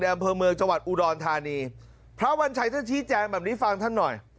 อำเภอเมืองจังหวัดอุดรธานีพระวัญชัยท่านชี้แจงแบบนี้ฟังท่านหน่อย